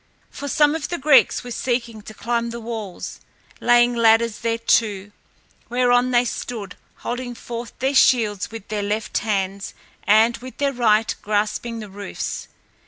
For some of the Greeks were seeking to climb the walls, laying ladders thereto, whereon they stood, holding forth their shields with their left hands and with their right grasping the roofs.